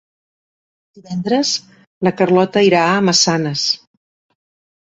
Divendres na Carlota irà a Massanes.